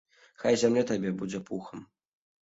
Хай зямля табе будзе пухам.